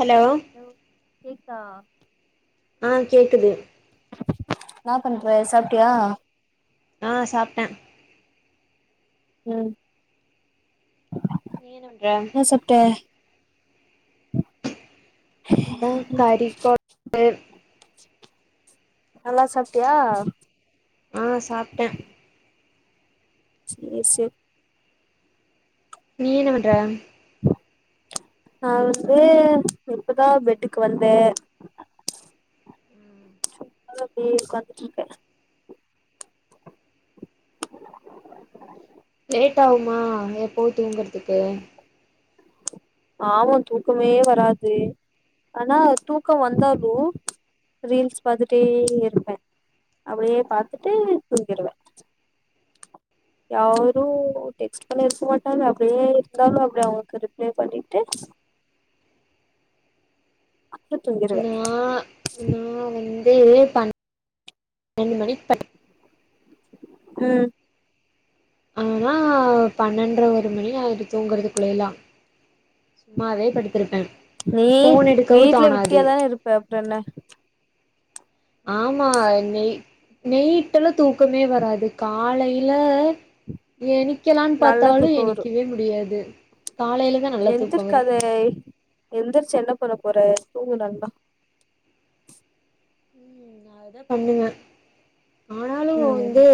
hello hello கேக்குதா ஆன் கேக்குது என்னா பண்ற சாப்ட்யா ஆன் சாப்ட்டேன் ம் நீ என்ன பண்ற என்ன சாப்ட்ட ம் கறி கொ ம்பு நல்லா சாப்ட்டியா ஆன் சாப்ட்டேன் சேரி சேரி நீ என்ன பண்ற நா வந்து இப்பதா பெட்டுக்கு வந்தேன் அதுனால அப்டியே ஒக்காந்துட் இருக்கேன் லேட் ஆவுமா எப்போவு தூங்குறதுக்கு ஆமா தூக்கமே வராது ஆனா தூக்கம் வந்தாலு ரீல்ஸ் பாத்துட்டே இருப்பேன் அபயே பாத்துட்டு தூங்கிருவே யாரு டெக்ஸ்ட் பண்ணிருக்க மாட்டாங்க அப்டியே இருந்தாலு அப்டி அவுங்ளுக்கு ரிப்ளே பண்ணிட்டு அப்டே தூங்கிருவே நா நா வந்து பணண்டு மணிக்கு படு ம் ஆனா பனன்ற ஒரு மணி ஆயிரு தூங்குறதுக்குள்ளிலா சும்மாவே படுத்துருப்பே நீ வீட்ல விட்டியாதானே இருப்ப அப்ற என்ன ஆமா நெய் நெய்ட்டெலா தூக்கமே வராது காலைல எனிக்கலான் நல்லா பாத்தாலு தூக்கோ எனிக்கவே முடியாது காலைல எந்திருக்காதேய் எந்திரிச்சு என்ன பண்ண போற தூங்கு நல்லா ம் நா அததா பண்ணுவே ஆனாலு ம் வந்து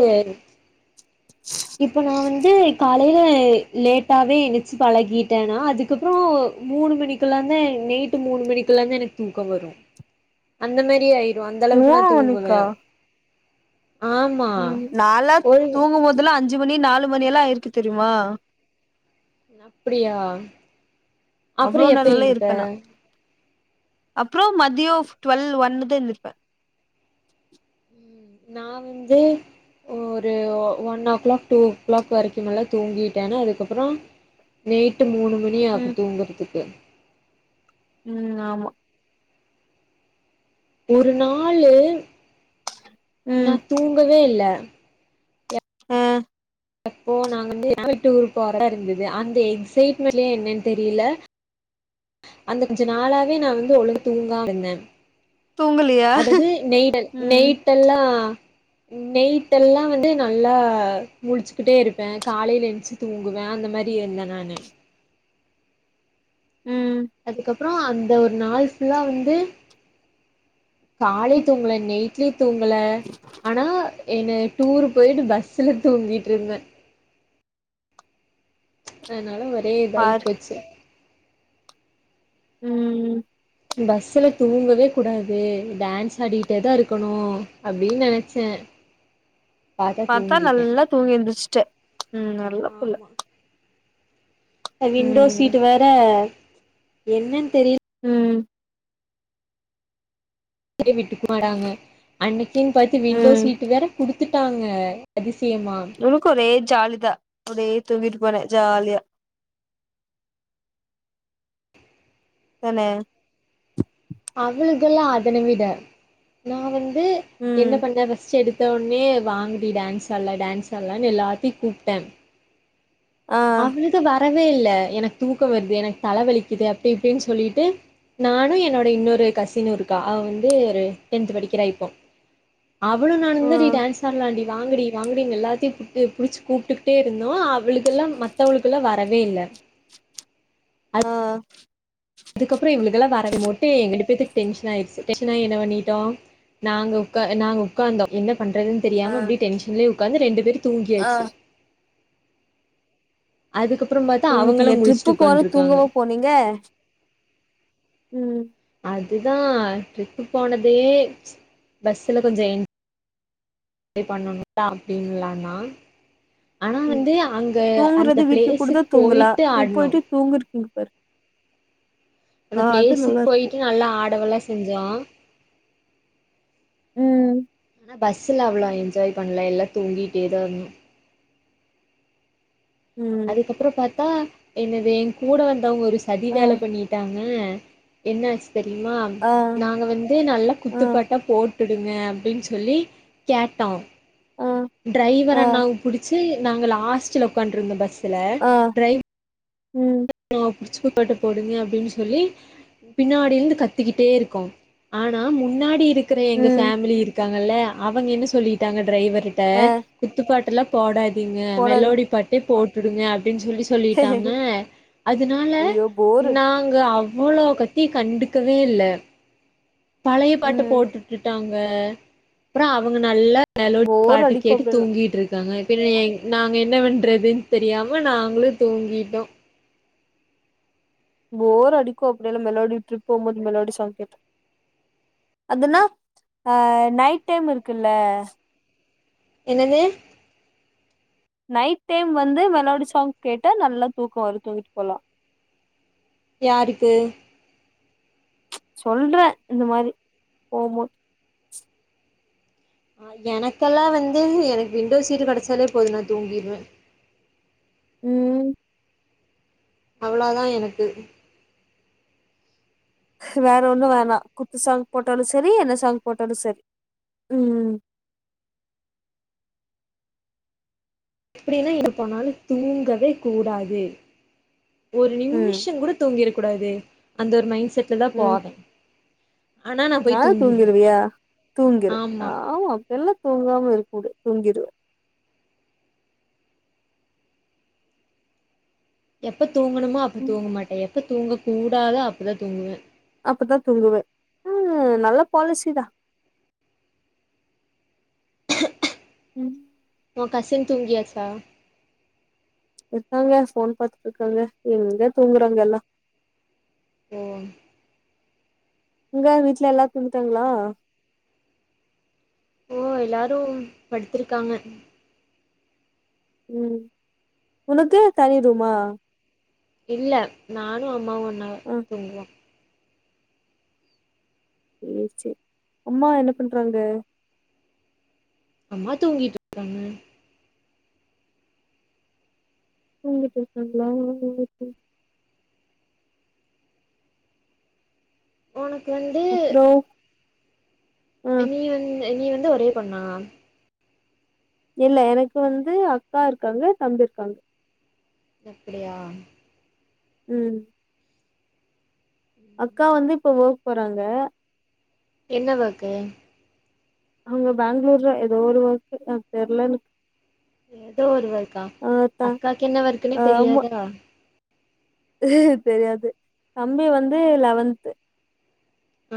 இப்போ நா வந்து காலைல லேட்டாவே எந்துர்ச்சி பழகிட்டேனா அதுக்கப்புற மூனு மணிக் க்குலாந்தா நெய்ட்டு மூனு மணிக்குலாந்தா எனக் தூக்க வரு அந்த மேரி ஆயி டு அந்தளவுக்கு நா மூணு தூங்குவே மணிக்கா ஆமா ஒரு இதுலா அஞ்சு மணி நாலு மணி எல்லா ஆயிருக்கு தெரியுமா னப்டியா அப்றோ அவ்ளோ எப்ப நேரல்லா என்னிப்ப இருப்பே நா அப்றோ மதியோ டுவெல் ஒன்னுதா எந்திரிப்ப நா வந்து ஒரு ஒ one o'clock two o'clock வரைக்குமெல்லா தூங்கிட்டேனா அதுக்கப்றோ நேட்டு மூனு மணி ஆகு ம் தூங்கறதுக்கு ம் ஆமா ஒரு நாளு நா ம் தூங்கவேல அ அப்போ நாங்க வந்து ஆனுவல் டூரு போறதாருந்தது அந்த எக்சைட்மென்ட்லியா என்னன் தெரில அந்த அஞ்சு நாளாவே நா வந்து ஒழுங்கா தூங்காம இருந்தே தூங்கலியா அதது நெய்டல் ம் நெயிட்டெல்லா நெய்ட்டெல்லா வந்து நல்லா முழிச்சுகிட்டே இருப்பே காலைல என்ச்சு ச்சு தூங்குவே அந்த மாரி எந்த நானு ம் அதுக்கப்புற அந்த ஒரு நாள் ஃபுல்லா வந்து காலை தூங்கல நெய்ட்லியு தூங்கல ஆனா என டூரு போயிட்டு பஸ்ல தூங்கிட்ருந்தே அதனால ஒரே பாரு இதாய்ப்போச்சு ம் பஸ்ஸல தூங்கவேகுடாது டான்ஸ் ஆடிட்டேதா இருக்கனு அப்டின் நெனச்சே பாத்தா நல்லா தூங்கி எந்திர்ச்ட்டே ம் நல்ல புள்ள ஆமா விண்டோ ம் சீட்டு வேற என்னன் தெரில் ம் எ விட்டு மாடாங்க அன்னிக்கின் பாத்து விண்டோ ம் சீட்டு வேற குடுத் த்துட்டாங்க அதிசயமா உனுக்கு ஒரே ஜாலிதா ஒரே தூங்கிட்டு போனே ஜாலியா தனே அவளுக்குல்லா அதன விட நா வந்து ம் என்ன பண்ண ரெஸ்ட் எடுத் வந்தோனே வாங்கி டான்ஸ் ஆட்லா டான்ஸ் ஆட்லானு எல்லாத்தையு கூப்டே ஆ அவ்ளுக்கு வ வரவே இல்ல எனக்கு தூக்க வருது எனக்கு தல வலிக்குது அப்டி இப்டின்னு சொல்லிட்டு நானு என்னோ இன்னோரு கசினு இருக்கா அவ வந்து ஒரு டென்த் படிக்கிறா இப்போ அவ்ளு நானுதா டி ம் டான்ஸ் ஆட்லான்டி வாங்கடி வாங்கடினு எல்லா கத்திபுட்டு புடிச்சு கூப்டுகிட்டே இருந்தோ அவளுகலா மத்தவளுகல்லா வரவே இல்ல ஆ அதுக்கப்றோ இவ்ளுகெலா வர மொட்டு எங்க ரெண்டு பேத்துக்கு டென்ஷன் ஆயிடுச்சு டென்ஷனாயி என்ன பண்ணிடோ நாங்க உக்க நாங்க உக்காந்தோ என்ன பண்றதுன் ஆ தெரியாம அப்டியே டென்ஷன்லயே உக்காந்து ரெண்டு பேர் ஆ தூங்கியாச்சு அதுக்கப்றோ பாத்தா அவங்களு முழிச்சுட்டு உக்காண்ருக்காங்க போனிங்க ம் அதுதா ட்ரிப்பு போனதயே பஸ்ல கொஞ்சொ என் ஜாய் பண்ணணுதா அப்டின்லானா ம் அந்த தூங்குறது வீட்ல கூட தா பிளேஸுக்கு தூங்கலா போயிட்டு ட்ரிப் ஆடணு போய்ட்டு தூங்கிருக்கீங்க பாரு அந்த ஆ அது பிளேஸுக் நல்லா இருக்கு போய்ட்டு நல்லா ஆடவெல்லா செஞ்சோ ம் ஆனா பஸ்ல அவ்ளோ என்ஜாய் பண்ல எல்லா தூங்கிட்டே தா இருந்தோ ம் அதுக்கப்றோ பாத்தா என்னது என் கூட வந்தவங்க ஒரு சதி ஆ வேல பண்ணிட்டாங் க என்னாச்சு தெரியுமா ஆ நாங்க வந்து நல்லா குத் ஆ துப்பாட்டா போட்டுடுங்க அப்டின் சொல்லி கேட்டோ ஆ ஆ ட்ரைவரண்ணாவ புடிச்சி நாங்க லாஸ்ட்ல உக்காண்டுருந்தோ பஸ்ல ஆ டிரைவ் ம் ணா புடிச்சப்பாட்ட போடுங்க அப்டின்னு சொல்லி பின்னாடி இருந்து கத்திகிட்டே இருக்கோ ஆனா முன்னாடி இருக் குற எங்க ம் ஃபேமிலி இருக்காங்கல்ல அவங்க என்ன சொல்லிட்டாங்க டிரைவர்ட்ட ஆ குத்துப்பாட்டுலா போடாதீங்க போடாதீங்க மெலோடி பாட்டே போட்டுடுங்க அப்டின் சொல்லி சொல்லிட்டாங்க அதுனால ஐயோ போரு நாங்க அவ்வளோ கத்தி கண்டுக்கவேல்ல பழய பாட்ட ம் போட்டுட்டுட்டாங்க அப்றோ அவுங்க நல்லா மெலோடி போர் பாட்டு அடிக்கு கேட்டு அப்டியெல்லா தூங்கிட்டுரு க்காங்க நாங்க என்ன பண்றதுன் தெரியாம நாங்களு தூங்கிட்டோ போர் அடிக்கு அப்டியெல்ல மெலோடி ட்ரிப் போ போது மெலோடி சாங் கேட்டா அதுனா ஆ நைட் டைம் இருக்குல்ல என்னது நைட் டைம் வந்து மெலோடி சாங் கேட்டா நல்லா தூக்கோ வரு தூங்கிட்டு போலா யாருக்கு சொல்றே இந்த மாரி போ போது எனக்கெல்லா வந்து எனக்கு விண்டோ சீட் கடைச்சாலே போதோ நா தூங்கிடுவே ம் அவ்ளோதா எனக்கு வேறொண்ணு வேணா குத்து சாங் போட்டாலு சரி என்ன சாங் போட்டாலு சரி ம் எப்டின்னா எங்க போனாலு தூங்கவே கூடாது ஒரு ம் நிம்மிஷ கூட தூங்கிற கூடாது அந்த ஒரு மைண்ட் செட்ல தா போவே ஆனா நா போய் தூங்கிருவே தூங்கிருவியா தூங்கிரு ஆமா அப்ப எல்லா தூங்காம இருக்கூடு தூங்கிருவ எப்போ தூங்கணுமோ அப்போ தூங்கமாட்டே எப்போ தூங்கக்கூடாதோ அப்போ தா தூங்குவ அப்பதா தூங்குவே ஆ நல்ல பாலிசி தா ம் உ கசின் தூங்கியாச்சா இருக்காங்க ஃபோன் பாத்துட்டுருக்காங்க எங்க தூங்குறாங்க எல்லா ஓ உங்க வீட்ல எல்லா தூங்கிட்டாங்களா இப்போ எல்லாரு படுத்துருக்காங்க ம் உனுக்கு தனி ரூமா இல்ல நானோ அம்மாவு ஒன்னா ஆ தூங்குவோ செர் சேரி அம்மா என்ன பண்றாங்க அம்மா தூங்கிட்டுருக்காங்க தூங்கிட்டுருக்காங்களா ஓஹோ ஒனக்கு வந்து அப்றோ ஆ நீ வந்து நீ வந்து ஒரே பொண்ணா இல்ல எனக்கு வந்து அக்கா இருக்காங்க தம்பி இருக்காங்க அப்புடியா உம் அக்கா வந்து இப்ப ஓர்க் போறாங்க என்ன வொர்க்கு அவுங்க பேங்ளூர்ல ஏதோ ஒரு வொர்க்கு அது தெர்ல எனக்கு ஏதோ ஒரு ஒர்க்கா ஆ த அக்காக்கு என்ன ஒர்க்குன்னே ஆமா தெரியாதா தெரியாது தம்பி வந்து லெவன்த்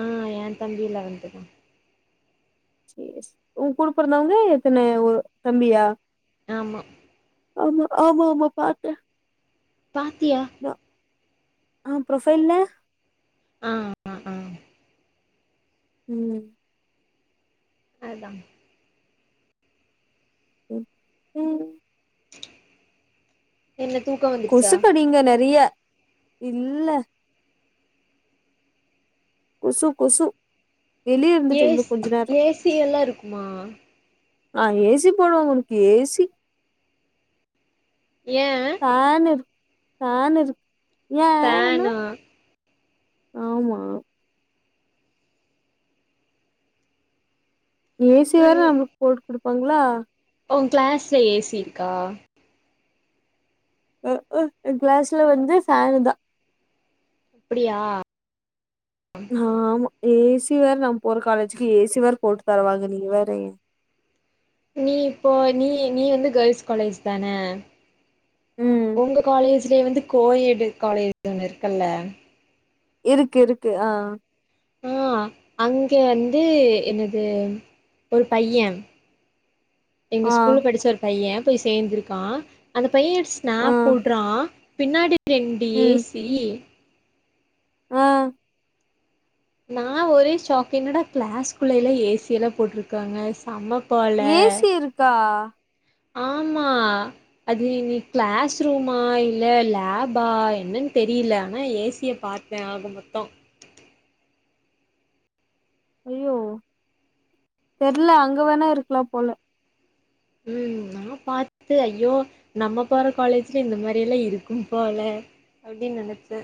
ஆ ஏ தம்பி லெவன்த்துதா செர்ஸ் ஊங் கூட பொறந்தவுங்க எத்தன ஒரு தம்பியா ஆமா ஆமா ஆமா ஆமா பாத்தே பாத்தியா [inaudible] ஆ ப்ரொஃபைல்ல அ அ ஆ ம் அதா [unintelligible] என்ன தூக்கோவரு கொசுக்கடீங்க நறீய இல்ல கொசு கொசு வெளிய இருந்துட்டு இவ்ளோ ஏஷ் கொஞ்ச நேரோ ஏ சி எல்லா இருக்குமா ஆ ஏ சி போடுவோ உனக்கு ஏ சி ஏ ஃபேனு இருக் ஃபேனு இருக் ஏ ஃபேனா ஆமா ஏ சி வேற நம்முளுக்கு போட்டு குடுப்பாங்களா உங்கிளாஸ்ல ஏ சி இருக்கா ம்க்ம் எங்கிளாஸ்ல வந்து ஃபேனு தா அப்டியா ஆமா ஏ சி வேற நம்ம போற காலேஜ்கு ஏ சி வேற போட்டு தருவாங்க நீ வேற ஏ நீ இப்போ நீ நீ வந்து கேர்ள்ஸ் காலேஜ் தானே ம் உங்க காலேஜ்லே வந்து கோ எடு காலேஜ் ஒன்னு இருக்குல்ல இருக்கு இருக்கு ஆ ஆ அங்க வந்து என்னது ஒரு பைய்ய [inaudible] எங்க ஸ்கூல் படிச்ச ஒரு பைய்ய போய் சேந்திருக்கா அந்த பைய்ய ஆ ஸ்னாப் போட்றா பின்னாடி ரெண்டு ஏ ம் சி ஆ நா ஒரே ஷாக்கிங் என்னடா கிளாஸ்குள்ளலா ஏ சி எல்லா போட்ருக்காங்க செம ஏ சி இருக்கா ஆமா அது நீ கிளாஸ் ரூமா இல்ல லேபா என்னன் தெரில ஆனா ஏ சி யப் பாத்தே ஆக மொத்தோ ஐயோ தெர்ல அங்க வேணா இருக்கலா போல ம் நா பாத்து ஐயோ நம்ம போற காலேஜ்ல இந்த மாரி எல்லா இருக்கும் போல அப்டின் நெனைச்சே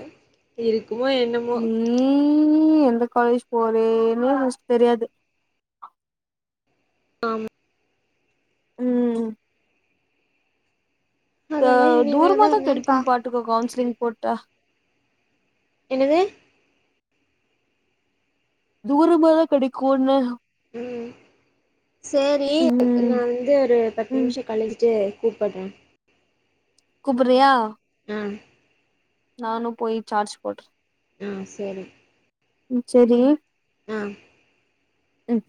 இருக்குமோ என்னம் ம் எந்த காலேஜ் போறேனே ஃபஸ்ட் தெரியாது ஆம் ம் அதெல்லா அவ் தூரமா இனிமேதா தா என்னன் கெடைக்கூ பா பாட்டுக்கோ கவுன்சிலிங் போட்டா என்னது தூரமா தா கெடைக்கூன்னே ம் சேரி ம் நா வந்து ஒரு பத்து ம் நிமிஷோ கழிஞ்சிட்டு கூப்பட்றே கூப்புர்றியா ஆ நானு போய் சார்ஜ் போட்ற் ம் செரி ம் செரி ஆ ம்